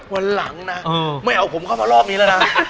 วันหลังนะไม่เอาผมเข้ามารอบนี้แล้วนะ